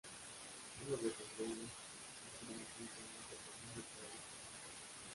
Uno de sus logros es hacer a la ciencia más accesible para las chicas.